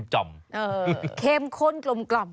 เออเค็มข้นกลม